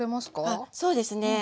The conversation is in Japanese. あっそうですね。